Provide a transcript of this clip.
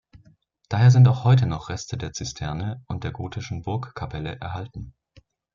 Daher sind auch heute noch Reste der Zisterne und der gotischen Burgkapelle erhalten.